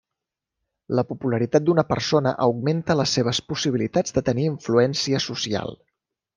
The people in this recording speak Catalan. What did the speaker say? La popularitat d'una persona augmenta les seves possibilitats de tenir influència social.